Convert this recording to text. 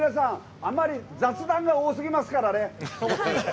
あまり雑談が多すぎますからね。